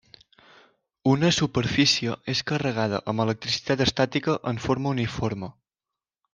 Una superfície és carregada amb electricitat estàtica en forma uniforme.